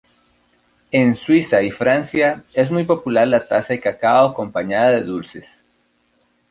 En Suiza y Francia es muy popular la taza de cacao acompañada de dulces.